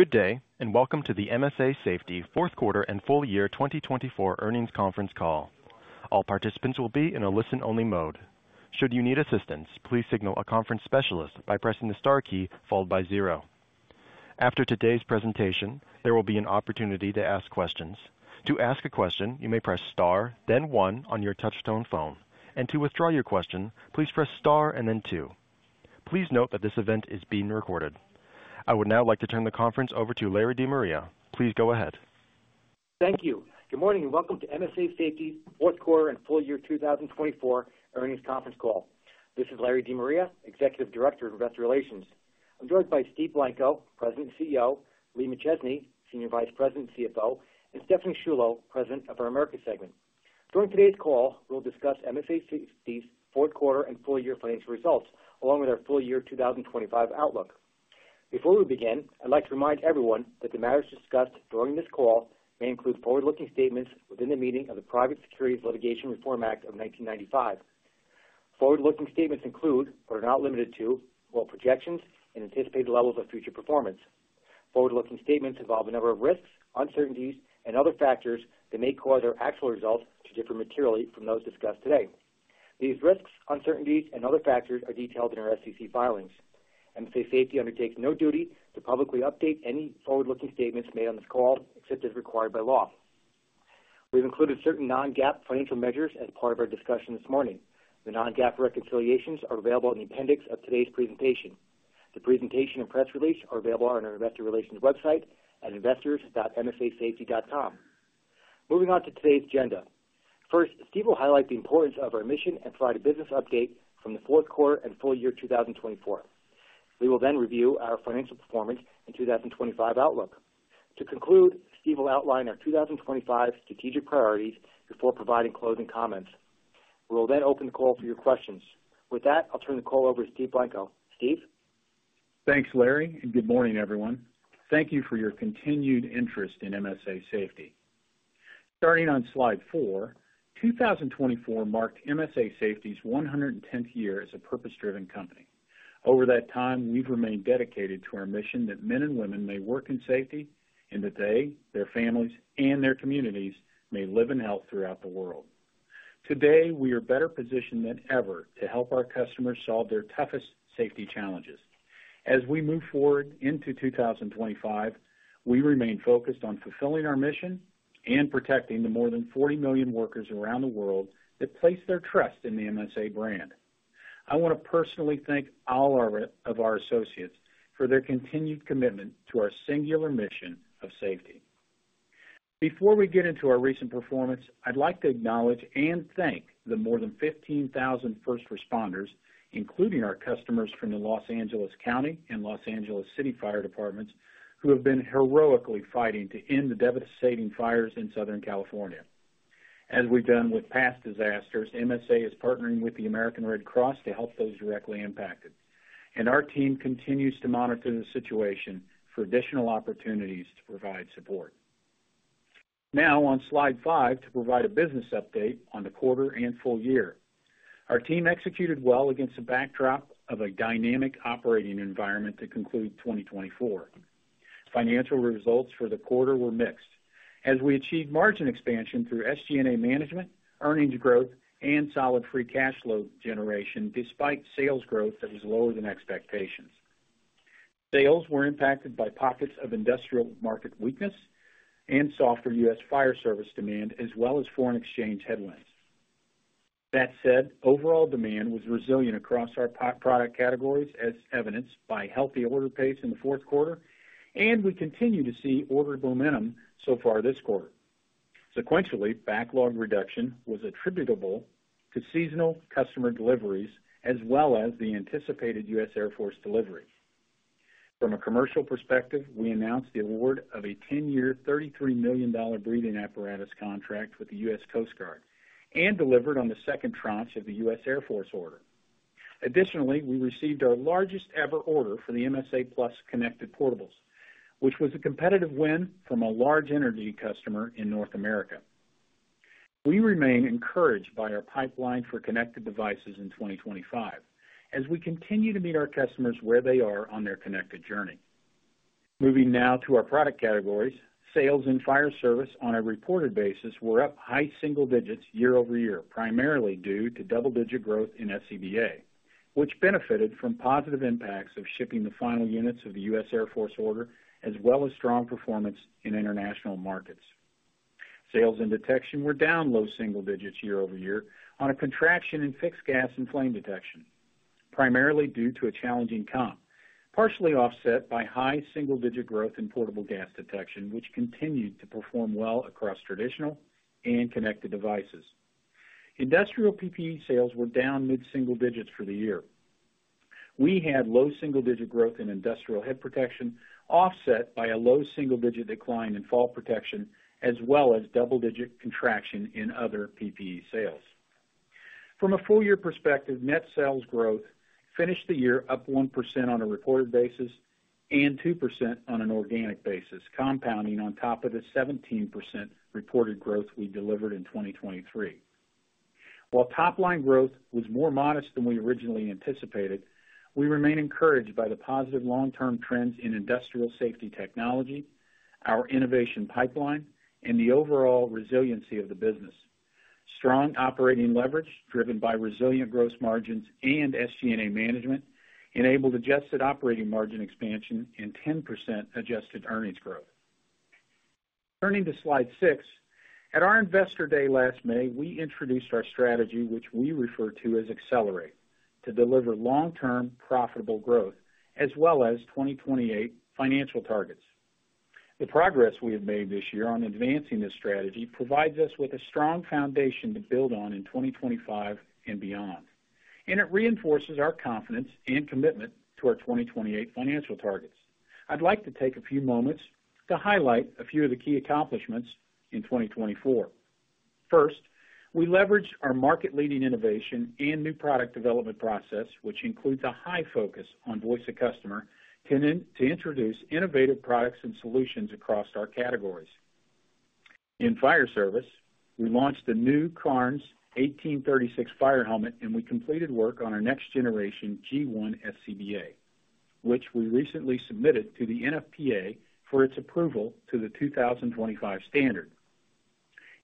Good day, and welcome to the MSA Safety Fourth Quarter and Full Year 2024 Earnings Conference call. All participants will be in a listen-only mode. Should you need assistance, please signal a conference specialist by pressing the star key followed by zero. After today's presentation, there will be an opportunity to ask questions. To ask a question, you may press star, then one on your touch-tone phone. And to withdraw your question, please press star and then two. Please note that this event is being recorded. I would now like to turn the conference over to Larry De Maria. Please go ahead. Thank you. Good morning and welcome to MSA Safety Fourth Quarter and Full Year 2024 Earnings Conference call. This is Larry De Maria, Executive Director of Investor Relations. I'm joined by Steve Blanco, President and CEO, Lee McChesney, Senior Vice President and CFO, and Stephanie Sciullo, President of our Americas segment. During today's call, we'll discuss MSA Safety's Fourth Quarter and Full Year financial results, along with our Full Year 2025 outlook. Before we begin, I'd like to remind everyone that the matters discussed during this call may include forward-looking statements within the meaning of the Private Securities Litigation Reform Act of 1995. Forward-looking statements include, but are not limited to, both projections and anticipated levels of future performance. Forward-looking statements involve a number of risks, uncertainties, and other factors that may cause our actual results to differ materially from those discussed today. These risks, uncertainties, and other factors are detailed in our SEC filings. MSA Safety undertakes no duty to publicly update any forward-looking statements made on this call, except as required by law. We've included certain non-GAAP financial measures as part of our discussion this morning. The non-GAAP reconciliations are available in the appendix of today's presentation. The presentation and press release are available on our Investor Relations website at investors.msasafety.com. Moving on to today's agenda. First, Steve will highlight the importance of our mission and provide a business update from the Fourth Quarter and Full Year 2024. We will then review our financial performance and 2025 outlook. To conclude, Steve will outline our 2025 strategic priorities before providing closing comments. We will then open the call for your questions. With that, I'll turn the call over to Steve Blanco. Steve. Thanks, Larry, and good morning, everyone. Thank you for your continued interest in MSA Safety. Starting on slide four, 2024 marked MSA Safety's 110th year as a purpose-driven company. Over that time, we've remained dedicated to our mission that men and women may work in safety and that they, their families, and their communities may live in health throughout the world. Today, we are better positioned than ever to help our customers solve their toughest safety challenges. As we move forward into 2025, we remain focused on fulfilling our mission and protecting the more than 40 million workers around the world that place their trust in the MSA brand. I want to personally thank all of our associates for their continued commitment to our singular mission of safety. Before we get into our recent performance, I'd like to acknowledge and thank the more than 15,000 first responders, including our customers from the Los Angeles County and Los Angeles City Fire Departments, who have been heroically fighting to end the devastating fires in Southern California. As we've done with past disasters, MSA is partnering with the American Red Cross to help those directly impacted, and our team continues to monitor the situation for additional opportunities to provide support. Now, on slide five, to provide a business update on the quarter and full year, our team executed well against the backdrop of a dynamic operating environment to conclude 2024. Financial results for the quarter were mixed, as we achieved margin expansion through SG&A management, earnings growth, and solid free cash flow generation, despite sales growth that was lower than expectations. Sales were impacted by pockets of industrial market weakness and softer U.S. fire service demand, as well as foreign exchange headwinds. That said, overall demand was resilient across our product categories, as evidenced by healthy order pace in the fourth quarter, and we continue to see order momentum so far this quarter. Sequentially, backlog reduction was attributable to seasonal customer deliveries, as well as the anticipated U.S. Air Force delivery. From a commercial perspective, we announced the award of a 10-year, $33 million breathing apparatus contract with the U.S. Coast Guard and delivered on the second tranche of the U.S. Air Force order. Additionally, we received our largest-ever order for the MSA Plus connected portables, which was a competitive win from a large energy customer in North America. We remain encouraged by our pipeline for connected devices in 2025, as we continue to meet our customers where they are on their connected journey. Moving now to our product categories, sales and fire service on a reported basis were up high single digits year over year, primarily due to double-digit growth in SCBA, which benefited from positive impacts of shipping the final units of the U.S. Air Force order, as well as strong performance in international markets. Sales and detection were down low single digits year over year on a contraction in fixed gas and flame detection, primarily due to a challenging comp, partially offset by high single-digit growth in portable gas detection, which continued to perform well across traditional and connected devices. Industrial PPE sales were down mid-single digits for the year. We had low single-digit growth in industrial head protection, offset by a low single-digit decline in fall protection, as well as double-digit contraction in other PPE sales. From a full-year perspective, net sales growth finished the year up 1% on a reported basis and 2% on an organic basis, compounding on top of the 17% reported growth we delivered in 2023. While top-line growth was more modest than we originally anticipated, we remain encouraged by the positive long-term trends in industrial safety technology, our innovation pipeline, and the overall resiliency of the business. Strong operating leverage, driven by resilient gross margins and SG&A management, enabled adjusted operating margin expansion and 10% adjusted earnings growth. Turning to slide six, at our Investor Day last May, we introduced our strategy, which we refer to as Accelerate, to deliver long-term profitable growth, as well as 2028 financial targets. The progress we have made this year on advancing this strategy provides us with a strong foundation to build on in 2025 and beyond, and it reinforces our confidence and commitment to our 2028 financial targets. I'd like to take a few moments to highlight a few of the key accomplishments in 2024. First, we leveraged our market-leading innovation and new product development process, which includes a high focus on voice of customer, tended to introduce innovative products and solutions across our categories. In fire service, we launched the new Cairns 1836 fire helmet, and we completed work on our next-generation G1 SCBA, which we recently submitted to the NFPA for its approval to the 2025 standard.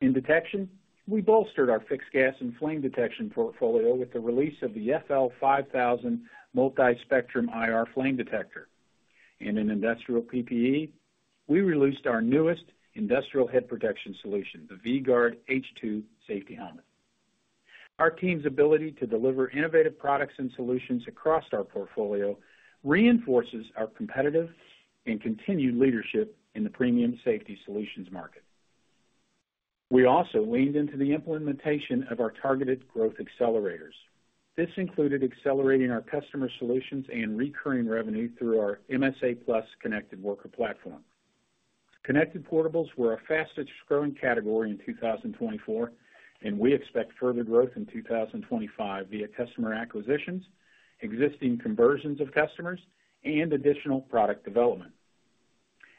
In detection, we bolstered our fixed gas and flame detection portfolio with the release of the FL5000 multi-spectrum IR flame detector. In industrial PPE, we released our newest industrial head protection solution, the V-Gard H2 safety helmet. Our team's ability to deliver innovative products and solutions across our portfolio reinforces our competitive and continued leadership in the premium safety solutions market. We also leaned into the implementation of our targeted growth accelerators. This included accelerating our customer solutions and recurring revenue through our MSA+ connected worker platform. Connected portables were a fastest-growing category in 2024, and we expect further growth in 2025 via customer acquisitions, existing conversions of customers, and additional product development.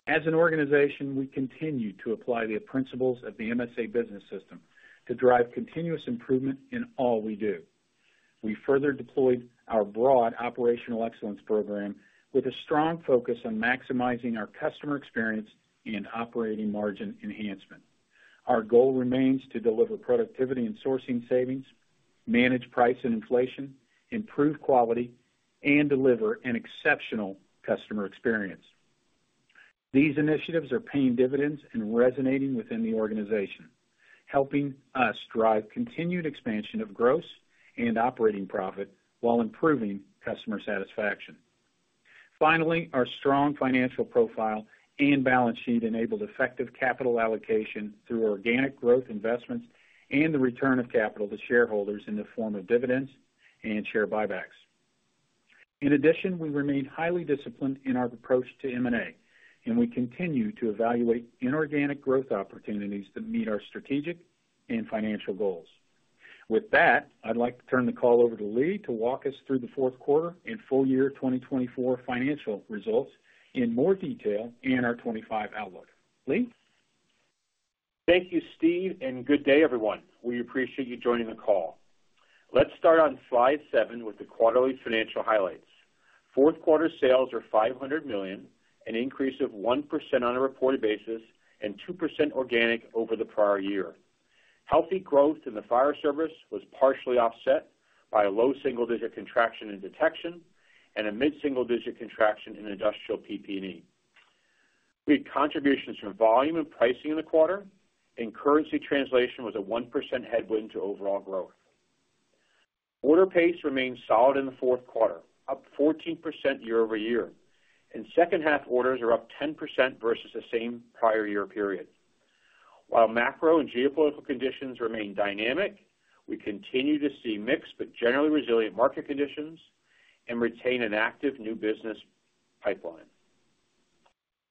As an organization, we continue to apply the principles of the MSA business system to drive continuous improvement in all we do. We further deployed our broad operational excellence program with a strong focus on maximizing our customer experience and operating margin enhancement. Our goal remains to deliver productivity and sourcing savings, manage price and inflation, improve quality, and deliver an exceptional customer experience. These initiatives are paying dividends and resonating within the organization, helping us drive continued expansion of gross and operating profit while improving customer satisfaction. Finally, our strong financial profile and balance sheet enabled effective capital allocation through organic growth investments and the return of capital to shareholders in the form of dividends and share buybacks. In addition, we remain highly disciplined in our approach to M&A, and we continue to evaluate inorganic growth opportunities that meet our strategic and financial goals. With that, I'd like to turn the call over to Lee McChesney to walk us through the Fourth Quarter and Full Year 2024 financial results in more detail and our '25 outlook. Lee? Thank you, Steve, and good day, everyone. We appreciate you joining the call. Let's start on slide seven with the quarterly financial highlights. Fourth quarter sales are $500 million, an increase of 1% on a reported basis and 2% organic over the prior year. Healthy growth in the fire service was partially offset by a low single-digit contraction in detection and a mid-single-digit contraction in industrial PPE. We had contributions from volume and pricing in the quarter, and currency translation was a 1% headwind to overall growth. Order pace remained solid in the fourth quarter, up 14% year over year, and second-half orders are up 10% versus the same prior year period. While macro and geopolitical conditions remain dynamic, we continue to see mixed but generally resilient market conditions and retain an active new business pipeline.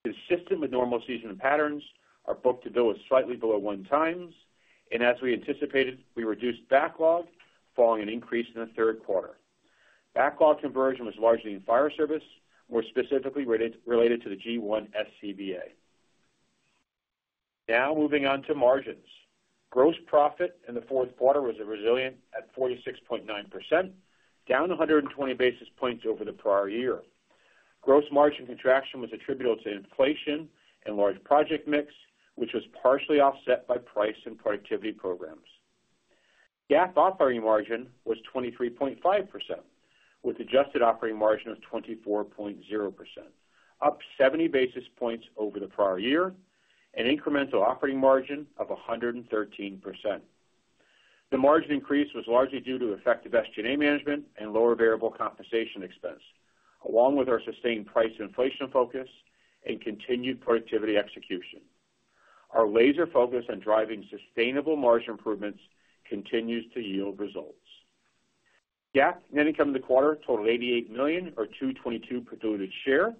Consistent with normal seasonal patterns, our book-to-bill was slightly below one times, and as we anticipated, we reduced backlog following an increase in the third quarter. Backlog conversion was largely in fire service, more specifically related to the G1 SCBA. Now, moving on to margins. Gross profit in the fourth quarter was resilient at 46.9%, down 120 basis points over the prior year. Gross margin contraction was attributable to inflation and large project mix, which was partially offset by price and productivity programs. GAAP operating margin was 23.5%, with adjusted operating margin of 24.0%, up 70 basis points over the prior year, an incremental operating margin of 113%. The margin increase was largely due to effective SG&A management and lower variable compensation expense, along with our sustained price inflation focus and continued productivity execution. Our laser focus on driving sustainable margin improvements continues to yield results. GAAP net income in the quarter totaled $88 million, or $2.22 per diluted share.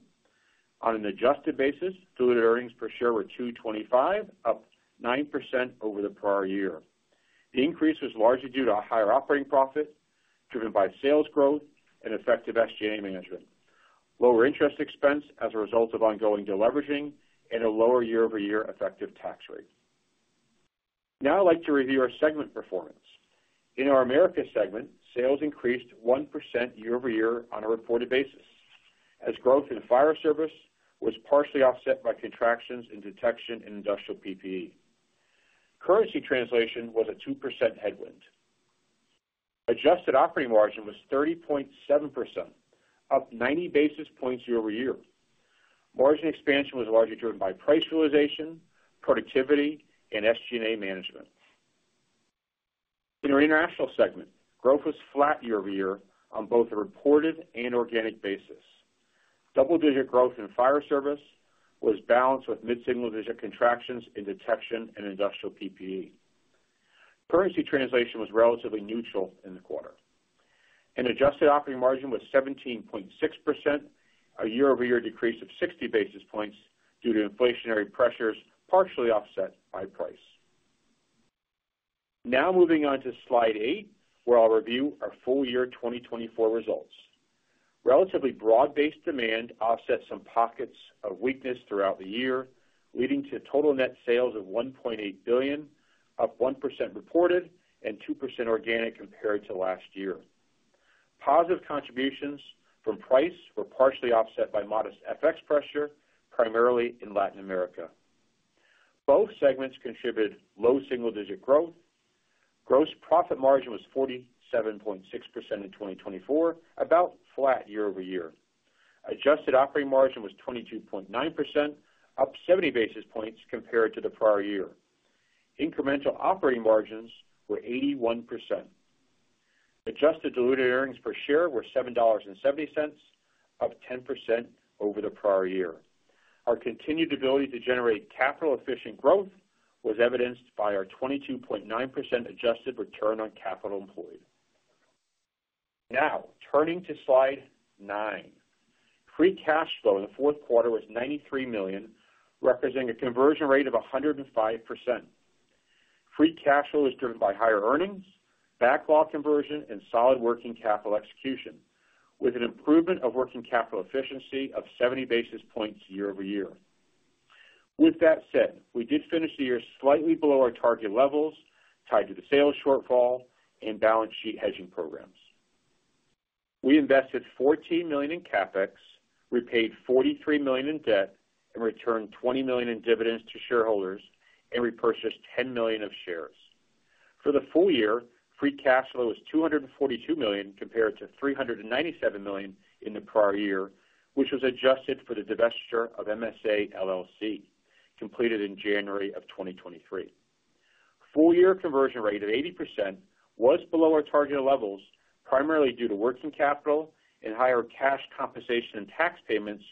On an adjusted basis, diluted earnings per share were $2.25, up 9% over the prior year. The increase was largely due to a higher operating profit driven by sales growth and effective SG&A management, lower interest expense as a result of ongoing deleveraging, and a lower year-over-year effective tax rate. Now, I'd like to review our segment performance. In our Americas segment, sales increased 1% year over year on a reported basis, as growth in fire service was partially offset by contractions in detection and industrial PPE. Currency translation was a 2% headwind. Adjusted operating margin was 30.7%, up 90 basis points year over year. Margin expansion was largely driven by price realization, productivity, and SG&A management. In our International segment, growth was flat year over year on both a reported and organic basis. Double-digit growth in fire service was balanced with mid-single digit contractions in detection and industrial PPE. Currency translation was relatively neutral in the quarter. An adjusted operating margin was 17.6%, a year-over-year decrease of 60 basis points due to inflationary pressures partially offset by price. Now, moving on to slide eight, where I'll review our full year 2024 results. Relatively broad-based demand offset some pockets of weakness throughout the year, leading to total net sales of $1.8 billion, up 1% reported and 2% organic compared to last year. Positive contributions from price were partially offset by modest FX pressure, primarily in Latin America. Both segments contributed low single-digit growth. Gross profit margin was 47.6% in 2024, about flat year over year. Adjusted operating margin was 22.9%, up 70 basis points compared to the prior year. Incremental operating margins were 81%. Adjusted diluted earnings per share were $7.70, up 10% over the prior year. Our continued ability to generate capital-efficient growth was evidenced by our 22.9% adjusted return on capital employed. Now, turning to slide nine, free cash flow in the fourth quarter was $93 million, representing a conversion rate of 105%. Free cash flow was driven by higher earnings, backlog conversion, and solid working capital execution, with an improvement of working capital efficiency of 70 basis points year over year. With that said, we did finish the year slightly below our target levels tied to the sales shortfall and balance sheet hedging programs. We invested $14 million in CapEx, repaid $43 million in debt, and returned $20 million in dividends to shareholders, and repurchased $10 million of shares. For the full year, free cash flow was $242 million compared to $397 million in the prior year, which was adjusted for the divestiture of MSA LLC, completed in January of 2023. Full year conversion rate of 80% was below our targeted levels, primarily due to working capital and higher cash compensation and tax payments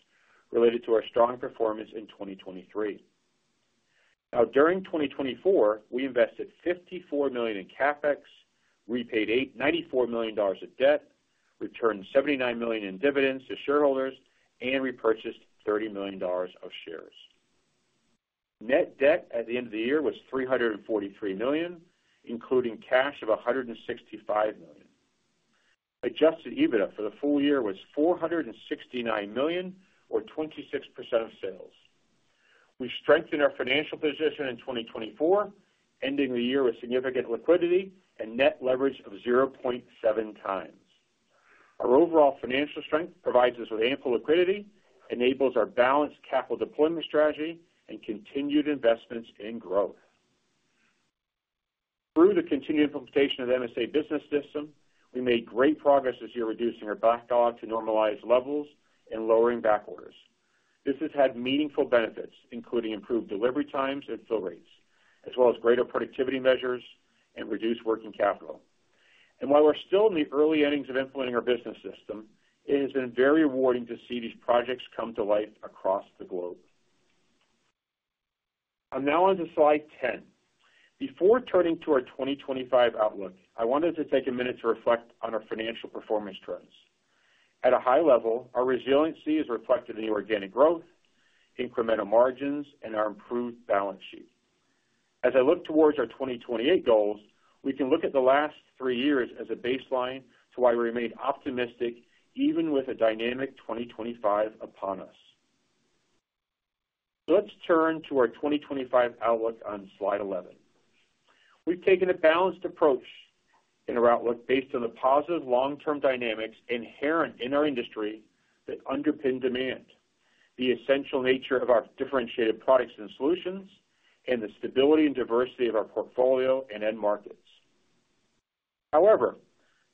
related to our strong performance in 2023. Now, during 2024, we invested $54 million in CapEx, repaid $94 million of debt, returned $79 million in dividends to shareholders, and repurchased $30 million of shares. Net debt at the end of the year was $343 million, including cash of $165 million. Adjusted EBITDA for the full year was $469 million, or 26% of sales. We strengthened our financial position in 2024, ending the year with significant liquidity and net leverage of 0.7 times. Our overall financial strength provides us with ample liquidity, enables our balanced capital deployment strategy, and continued investments in growth. Through the continued implementation of the MSA business system, we made great progress this year reducing our backlog to normalized levels and lowering back orders. This has had meaningful benefits, including improved delivery times and fill rates, as well as greater productivity measures and reduced working capital, and while we're still in the early innings of implementing our business system, it has been very rewarding to see these projects come to life across the globe. I'm now on to slide 10. Before turning to our 2025 outlook, I wanted to take a minute to reflect on our financial performance trends. At a high level, our resiliency is reflected in the organic growth, incremental margins, and our improved balance sheet. As I look towards our 2028 goals, we can look at the last three years as a baseline to why we remain optimistic even with a dynamic 2025 upon us. Let's turn to our 2025 outlook on slide 11. We've taken a balanced approach in our outlook based on the positive long-term dynamics inherent in our industry that underpin demand, the essential nature of our differentiated products and solutions, and the stability and diversity of our portfolio and end markets. However,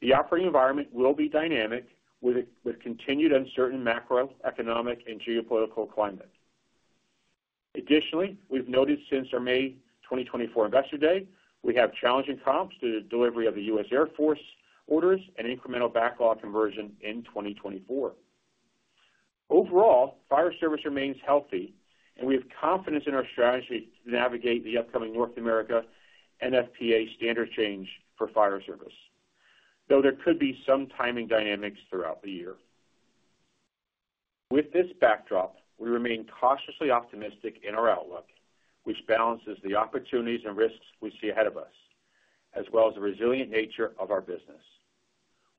the operating environment will be dynamic with continued uncertain macroeconomic and geopolitical climate. Additionally, we've noted since our May 2024 investor day, we have challenging comps due to delivery of the U.S. Air Force orders and incremental backlog conversion in 2024. Overall, fire service remains healthy, and we have confidence in our strategy to navigate the upcoming North America NFPA standard change for fire service, though there could be some timing dynamics throughout the year. With this backdrop, we remain cautiously optimistic in our outlook, which balances the opportunities and risks we see ahead of us, as well as the resilient nature of our business.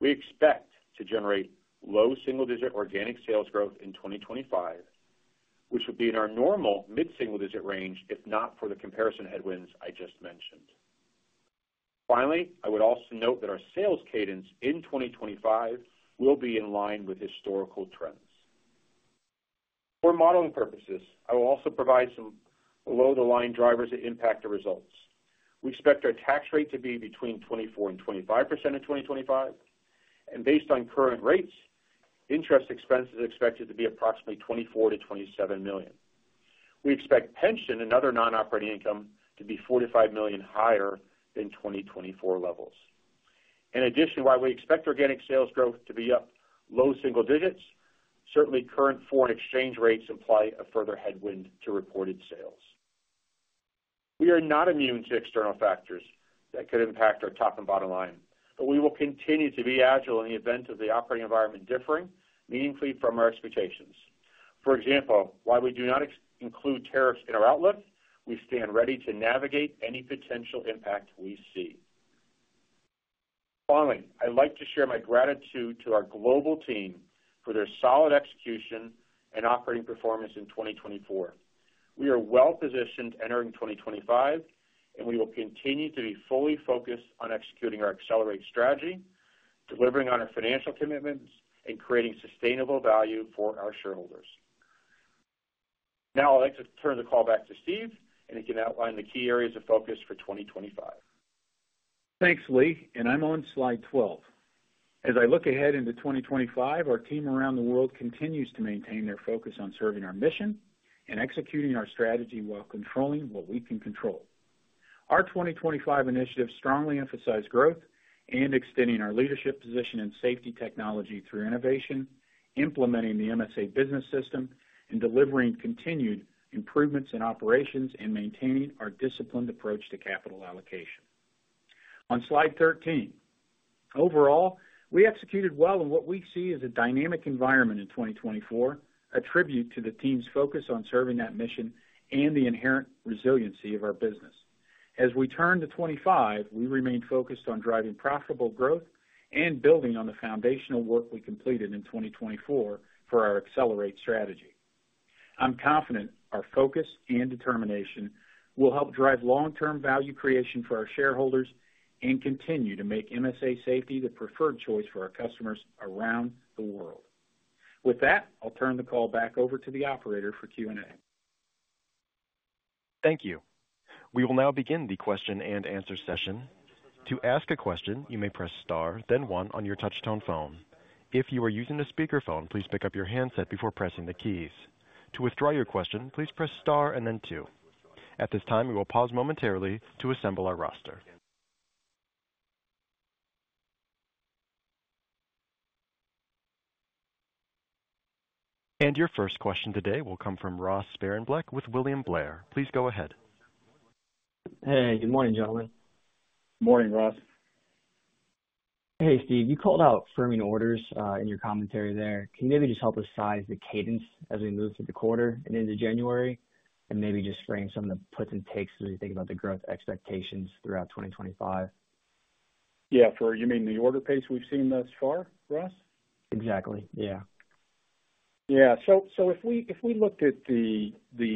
We expect to generate low single-digit organic sales growth in 2025, which would be in our normal mid-single digit range if not for the comparison headwinds I just mentioned. Finally, I would also note that our sales cadence in 2025 will be in line with historical trends. For modeling purposes, I will also provide some below-the-line drivers that impact the results. We expect our tax rate to be between 24%-25% in 2025, and based on current rates, interest expense is expected to be approximately $24-$27 million. We expect pension and other non-operating income to be $45 million higher than 2024 levels. In addition, while we expect organic sales growth to be up low single digits, certainly current foreign exchange rates imply a further headwind to reported sales. We are not immune to external factors that could impact our top and bottom line, but we will continue to be agile in the event of the operating environment differing meaningfully from our expectations. For example, while we do not include tariffs in our outlook, we stand ready to navigate any potential impact we see. Finally, I'd like to share my gratitude to our global team for their solid execution and operating performance in 2024. We are well-positioned entering 2025, and we will continue to be fully focused on executing our Accelerate strategy, delivering on our financial commitments, and creating sustainable value for our shareholders. Now, I'd like to turn the call back to Steve, and he can outline the key areas of focus for 2025. Thanks, Lee, and I'm on slide 12. As I look ahead into 2025, our team around the world continues to maintain their focus on serving our mission and executing our strategy while controlling what we can control. Our 2025 initiative strongly emphasized growth and extending our leadership position in safety technology through innovation, implementing the MSA business system, and delivering continued improvements in operations and maintaining our disciplined approach to capital allocation. On slide 13, overall, we executed well in what we see as a dynamic environment in 2024, a tribute to the team's focus on serving that mission and the inherent resiliency of our business. As we turn to 25, we remain focused on driving profitable growth and building on the foundational work we completed in 2024 for our Accelerate strategy. I'm confident our focus and determination will help drive long-term value creation for our shareholders and continue to make MSA Safety the preferred choice for our customers around the world. With that, I'll turn the call back over to the operator for Q&A. Thank you. We will now begin the question and answer session. To ask a question, you may press star, then one on your touch-tone phone. If you are using a speakerphone, please pick up your handset before pressing the keys. To withdraw your question, please press star and then two. At this time, we will pause momentarily to assemble our roster. And your first question today will come from Ross Sparenblek with William Blair. Please go ahead. Hey, good morning, gentlemen. Morning, Ross. Hey, Steve, you called out firming orders in your commentary there. Can you maybe just help us size the cadence as we move through the quarter and into January and maybe just frame some of the puts and takes as we think about the growth expectations throughout 2025? Yeah, do you mean the order pace we've seen thus far, Ross? Exactly, yeah. Yeah, so if we looked at the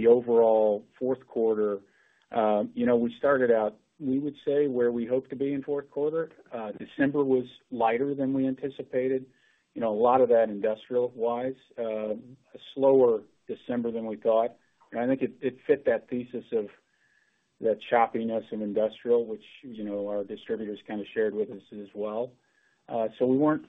overall fourth quarter, we started out, we would say, where we hoped to be in fourth quarter. December was lighter than we anticipated. A lot of that industrial-wise, a slower December than we thought. I think it fit that thesis of that choppiness in industrial, which our distributors kind of shared with us as well. So we weren't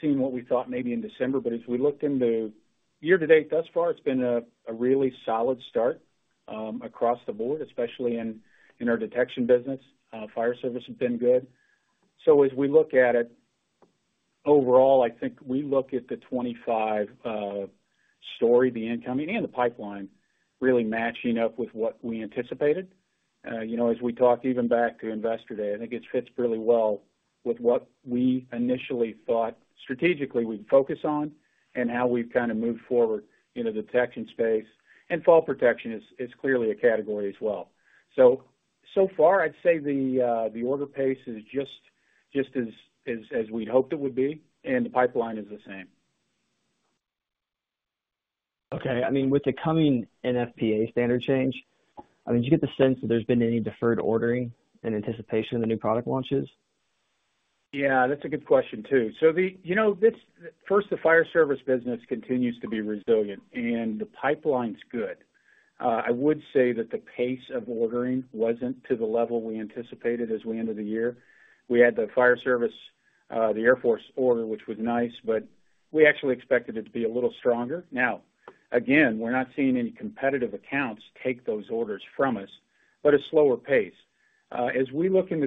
seeing what we thought maybe in December, but as we looked into year-to-date thus far, it's been a really solid start across the board, especially in our detection business. Fire service has been good. So as we look at it overall, I think we look at the 25 story, the incoming, and the pipeline really matching up with what we anticipated. As we talked even back to investor day, I think it fits really well with what we initially thought strategically we'd focus on and how we've kind of moved forward in the detection space. And fall protection is clearly a category as well. So far, I'd say the order pace is just as we'd hoped it would be, and the pipeline is the same. Okay, I mean, with the coming NFPA standard change, I mean, do you get the sense that there's been any deferred ordering in anticipation of the new product launches? Yeah, that's a good question too. So first, the fire service business continues to be resilient, and the pipeline's good. I would say that the pace of ordering wasn't to the level we anticipated as we ended the year. We had the fire service, the Air Force order, which was nice, but we actually expected it to be a little stronger. Now, again, we're not seeing any competitive accounts take those orders from us, but a slower pace. As we look into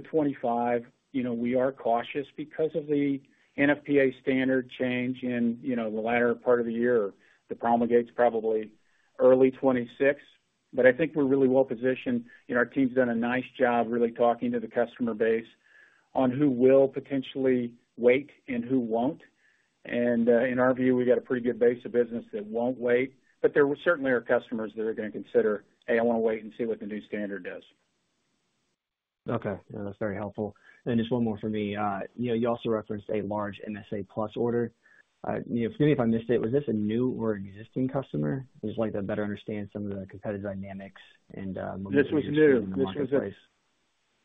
2025, we are cautious because of the NFPA standard change in the latter part of the year. It promulgates probably early 2026, but I think we're really well positioned. Our team's done a nice job really talking to the customer base on who will potentially wait and who won't. In our view, we've got a pretty good base of business that won't wait, but there certainly are customers that are going to consider, "Hey, I want to wait and see what the new standard does. Okay, yeah, that's very helpful. And just one more from me. You also referenced a large MSA Plus order. Forgive me if I missed it. Was this a new or existing customer? I just like to better understand some of the competitive dynamics and moving forward. This was new. This was a. In the first place.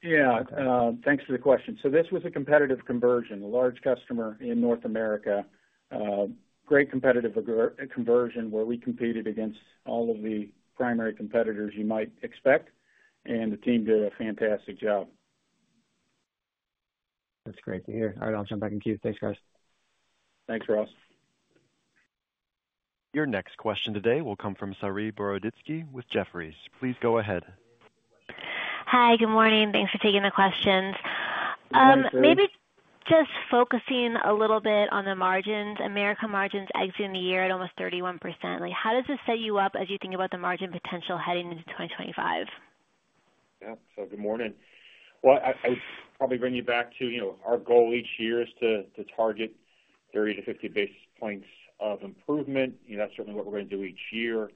Yeah, thanks for the question so this was a competitive conversion, a large customer in North America, great competitive conversion where we competed against all of the primary competitors you might expect, and the team did a fantastic job. That's great to hear. All right, I'll jump back in queue. Thanks, guys. Thanks, Ross. Your next question today will come from Sahi Boroditsky with Jefferies. Please go ahead. Hi, good morning. Thanks for taking the questions. Maybe just focusing a little bit on the margins. Americas margins exiting the year at almost 31%. How does this set you up as you think about the margin potential heading into 2025? Yeah, so good morning. Well, I would probably bring you back to our goal each year is to target 30-50 basis points of improvement. That's certainly what we're going to do each year.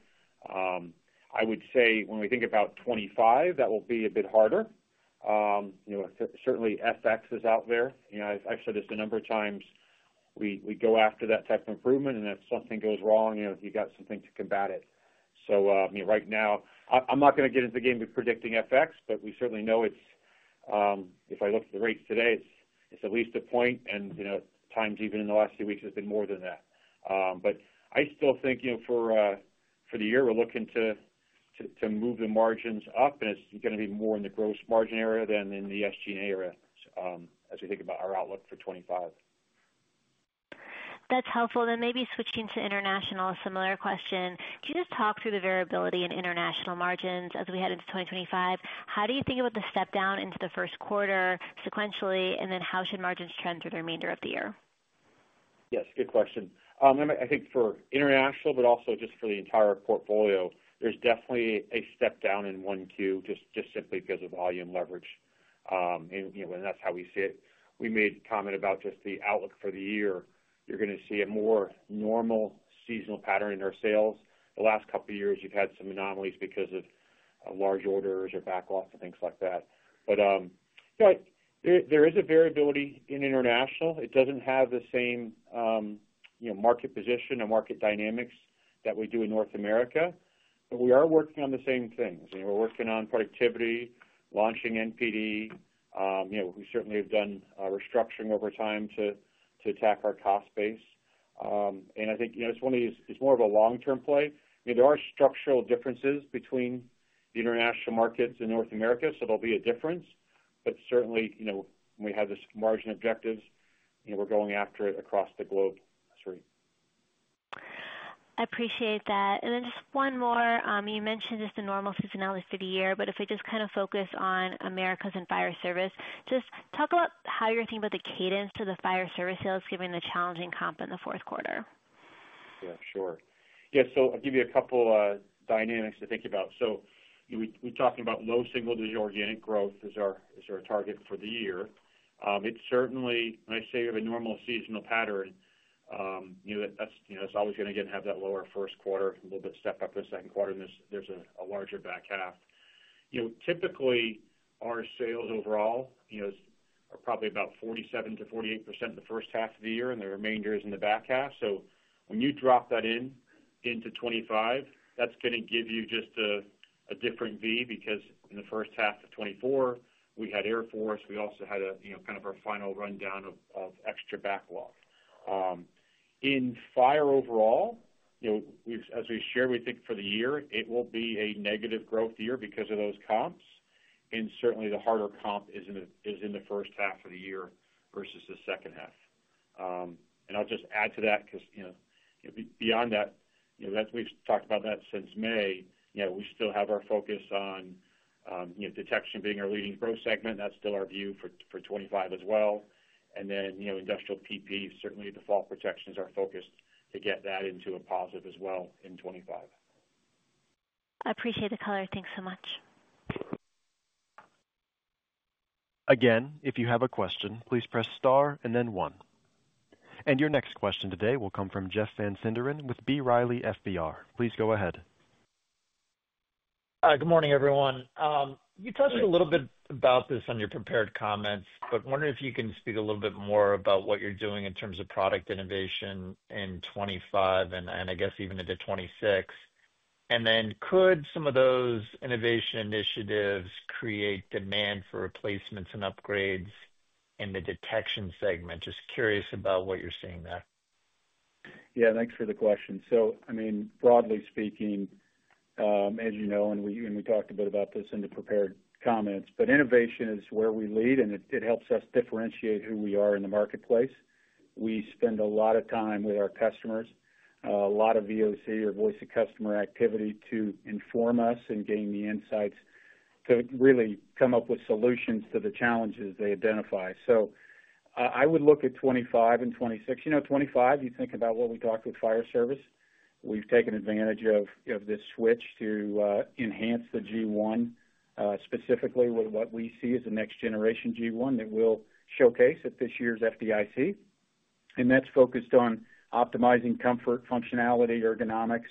I would say when we think about 2025, that will be a bit harder. Certainly, FX is out there. I've said this a number of times. We go after that type of improvement, and if something goes wrong, you've got something to combat it. So right now, I'm not going to get into the game of predicting FX, but we certainly know if I look at the rates today, it's at least a point, and at times even in the last few weeks has been more than that. But I still think for the year, we're looking to move the margins up, and it's going to be more in the gross margin area than in the SG&A area as we think about our outlook for 2025. That's helpful. Then maybe switching to International, a similar question. Can you just talk through the variability in International margins as we head into 2025? How do you think about the step down into the first quarter sequentially, and then how should margins trend through the remainder of the year? Yes, good question. I think for International, but also just for the entire portfolio, there's definitely a step down in Q1 just simply because of volume leverage, and that's how we see it. We made a comment about just the outlook for the year. You're going to see a more normal seasonal pattern in our sales. The last couple of years, you've had some anomalies because of large orders or backlogs and things like that. But there is a variability in International. It doesn't have the same market position and market dynamics that we do in North America, but we are working on the same things. We're working on productivity, launching NPD. We certainly have done restructuring over time to attack our cost base. I think it's one of these; it's more of a long-term play. There are structural differences between the international markets and North America, so there'll be a difference. But certainly, when we have this margin objectives, we're going after it across the globe, Steve. I appreciate that. And then just one more. You mentioned just the normal seasonality for the year, but if we just kind of focus on Americas and fire service, just talk about how you're thinking about the cadence to the fire service sales given the challenging comp in the fourth quarter. Yeah, sure. Yeah, so I'll give you a couple of dynamics to think about. So we're talking about low single-digit organic growth as our target for the year. It certainly, when I say we have a normal seasonal pattern, that's always going to have that lower first quarter, a little bit of step up in the second quarter, and there's a larger back half. Typically, our sales overall are probably about 47%-48% the first half of the year, and the remainder is in the back half. So when you drop that into 2025, that's going to give you just a different V because in the first half of 2024, we had Air Force. We also had kind of our final rundown of extra backlog. In fire overall, as we shared, we think for the year, it will be a negative growth year because of those comps. And certainly, the harder comp is in the first half of the year versus the second half. And I'll just add to that because beyond that, we've talked about that since May. We still have our focus on detection being our leading growth segment. That's still our view for 2025 as well. And then industrial PPE, certainly the fall protection is our focus to get that into a positive as well in 2025. I appreciate the color. Thanks so much. Again, if you have a question, please press star and then one. And your next question today will come from Jeff Van Sinderen with B. Riley FBR. Please go ahead. Good morning, everyone. You touched a little bit about this on your prepared comments, but I'm wondering if you can speak a little bit more about what you're doing in terms of product innovation in 2025 and I guess even into 2026. And then could some of those innovation initiatives create demand for replacements and upgrades in the detection segment? Just curious about what you're seeing there. Yeah, thanks for the question. So I mean, broadly speaking, as you know, and we talked a bit about this in the prepared comments, but innovation is where we lead, and it helps us differentiate who we are in the marketplace. We spend a lot of time with our customers, a lot of VOC or voice of customer activity to inform us and gain the insights to really come up with solutions to the challenges they identify. So I would look at 2025 and 2026. 2025, you think about what we talked with fire service. We've taken advantage of this switch to enhance the G1 specifically with what we see as a next-generation G1 that we'll showcase at this year's FDIC, and that's focused on optimizing comfort, functionality, ergonomics,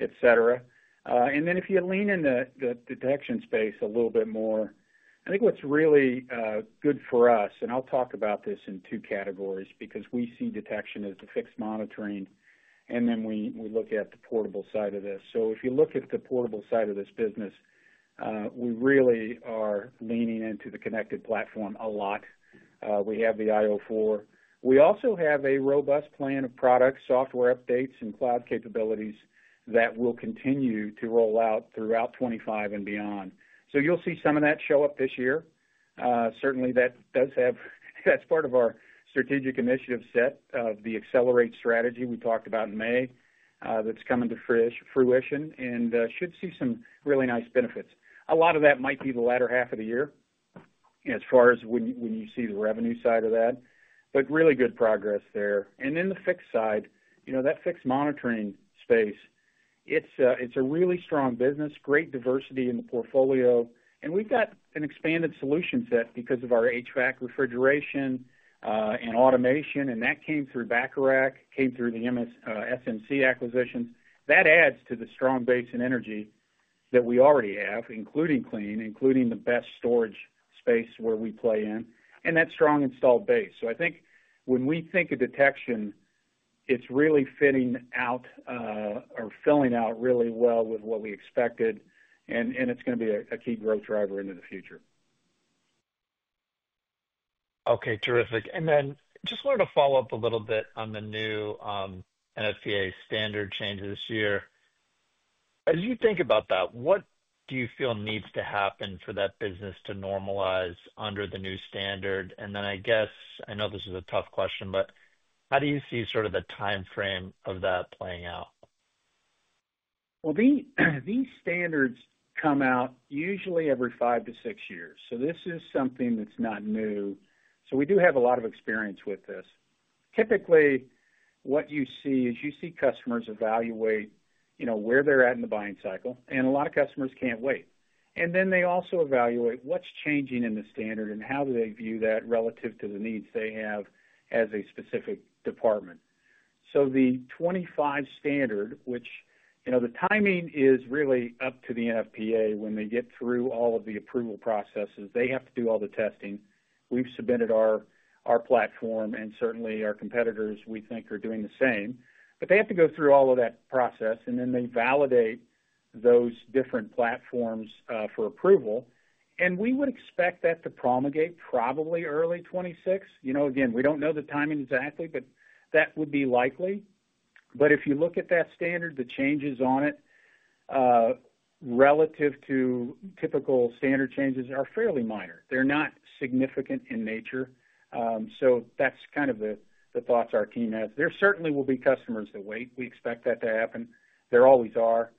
etc. Then if you lean in the detection space a little bit more, I think what's really good for us, and I'll talk about this in two categories because we see detection as the fixed monitoring, and then we look at the portable side of this. So if you look at the portable side of this business, we really are leaning into the connected platform a lot. We have the io4. We also have a robust plan of product software updates and cloud capabilities that will continue to roll out throughout 2025 and beyond. So you'll see some of that show up this year. Certainly, that does have. That's part of our strategic initiative set of the Accelerate strategy we talked about in May that's coming to fruition and should see some really nice benefits. A lot of that might be the latter half of the year as far as when you see the revenue side of that, but really good progress there, and then the fixed side, that fixed monitoring space, it's a really strong business, great diversity in the portfolio, and we've got an expanded solution set because of our HVAC refrigeration and automation, and that came through Bacharach, came through the SMC acquisitions. That adds to the strong base in energy that we already have, including clean, including the battery storage space where we play in, and that strong installed base, so I think when we think of detection, it's really filling out really well with what we expected, and it's going to be a key growth driver into the future. Okay, terrific. And then just wanted to follow up a little bit on the new NFPA standard change this year. As you think about that, what do you feel needs to happen for that business to normalize under the new standard? And then I guess I know this is a tough question, but how do you see sort of the timeframe of that playing out? These standards come out usually every five to six years. This is something that's not new. We do have a lot of experience with this. Typically, what you see is you see customers evaluate where they're at in the buying cycle, and a lot of customers can't wait. They also evaluate what's changing in the standard and how do they view that relative to the needs they have as a specific department. The '25 standard, which the timing is really up to the NFPA when they get through all of the approval processes. They have to do all the testing. We've submitted our platform, and certainly our competitors, we think, are doing the same. They have to go through all of that process, and then they validate those different platforms for approval. We would expect that to promulgate probably early '26. Again, we don't know the timing exactly, but that would be likely. But if you look at that standard, the changes on it relative to typical standard changes are fairly minor. They're not significant in nature. So that's kind of the thoughts our team has. There certainly will be customers that wait. We expect that to happen. There always are.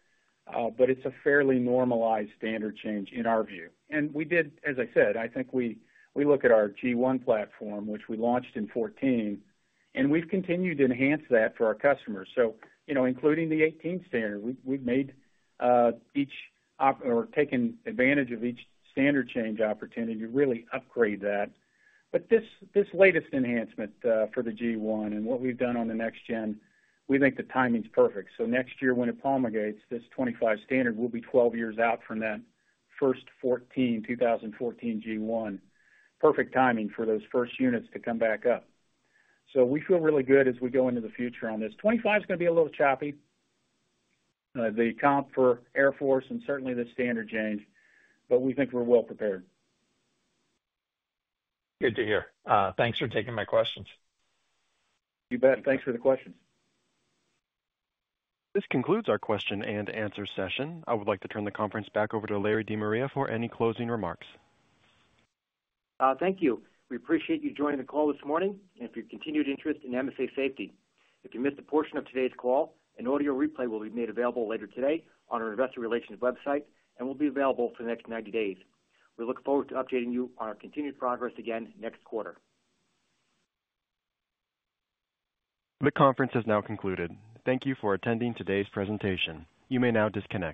But it's a fairly normalized standard change in our view. And we did, as I said, I think we look at our G1 platform, which we launched in 2014, and we've continued to enhance that for our customers. So including the 2018 standard, we've made each or taken advantage of each standard change opportunity to really upgrade that. But this latest enhancement for the G1 and what we've done on the next-gen, we think the timing's perfect. So next year, when it promulgates, this 2025 standard will be 12 years out from that first 2014 G1. Perfect timing for those first units to come back up. So we feel really good as we go into the future on this. 2025 is going to be a little choppy. The comp for Air Force and certainly the standard change, but we think we're well prepared. Good to hear. Thanks for taking my questions. You bet. Thanks for the questions. This concludes our question and answer session. I would like to turn the conference back over to Larry De Maria for any closing remarks. Thank you. We appreciate you joining the call this morning and for your continued interest in MSA Safety. If you missed a portion of today's call, an audio replay will be made available later today on our investor relations website and will be available for the next 90 days. We look forward to updating you on our continued progress again next quarter. The conference has now concluded. Thank you for attending today's presentation. You may now disconnect.